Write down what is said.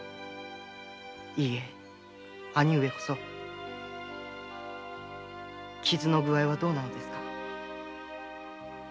いいえ兄上こそ傷の具合はどうなのですか。